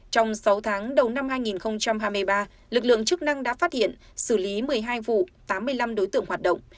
trong sáu tháng đầu năm hai nghìn hai mươi ba lực lượng chức năng đã phát hiện xử lý một mươi hai vụ tám mươi năm đối tượng hoạt động